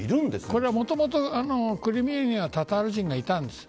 これはもともとクリミアにはタタール人がいたんです。